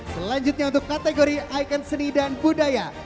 selanjutnya untuk kategori ikon seni dan budaya